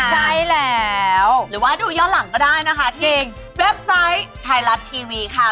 ใช่แล้วหรือว่าดูย้อนหลังก็ได้นะคะที่เว็บไซต์ไทยรัฐทีวีค่ะ